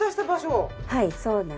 はいそうなんです。